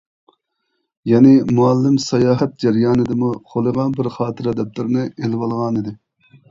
يەنى، مۇئەللىم ساياھەت جەريانىدىمۇ قولىغا بىر خاتىرە دەپتەرنى ئېلىۋالغانىدى.